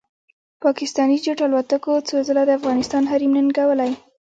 پاکستاني جېټ الوتکو څو ځله د افغانستان حریم ننګولی